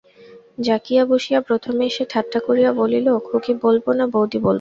জাকিয়া বসিয়া প্রথমেই সে ঠাট্টা করিয়া বলিল, খুকি বলব, না বৌদি বলব?